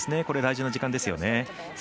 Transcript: これは大事な時間ですよね。